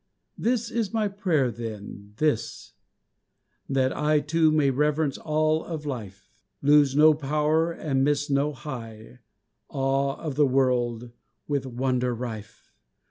This is my prayer then, this: that I Too may reverence all of life, Lose no power and miss no high Awe, of a world with wonder rife!